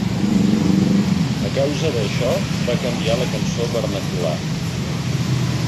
A causa d'això, va canviar la cançó vernacular.